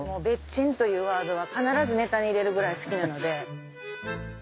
ベッチンというワードは必ずネタに入れるぐらい好きなので。